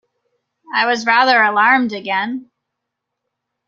I was rather alarmed again.